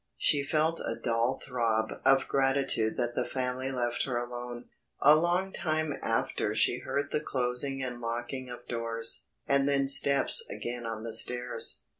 She felt a dull throb of gratitude that the family left her alone. A long time after she heard the closing and locking of doors, and then steps again on the stairs.